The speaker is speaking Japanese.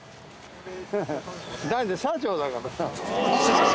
ハハッだって社長だからさ。